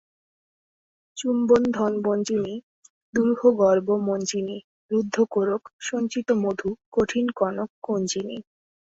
চুম্বনধনবঞ্চিনী, দুরূহগর্বমঞ্চিনী রুদ্ধকোরক -সঞ্চিত-মধু কঠিনকনককঞ্জিনী।